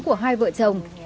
của hai vợ chồng